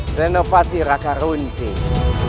senopati raka runting